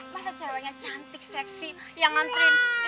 masa ceweknya cantik seksi yang ngantrin